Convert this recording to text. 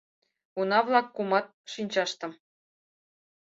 Уна-влак кумат шинчаштым: